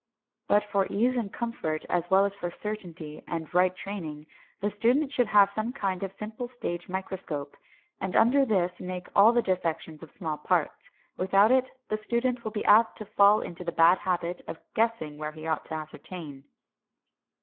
But for ease and comfort, as well as for certainty and right training, the student should have some kind of simple stage microscope, and under this make all dissections of small parts. Without it the student will be apt to fall into the bad habit of guessing where he ought to ascertain.